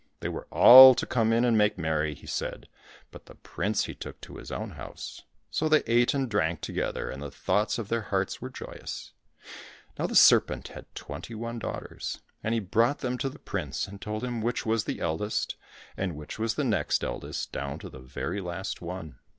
They were all to come in and make merry, he said, but the prince he took to his own house. So they ate and drank together, and the thoughts of their hearts were joyous. Now the serpent had twenty one daughters, and he brought them to the prince, and told him which was the eldest, and which the next eldest, down to the very last one.